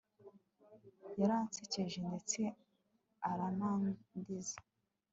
yaransekeje, ndetse aranandiza